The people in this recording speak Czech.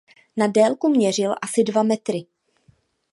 Na délku měřil asi dva metry.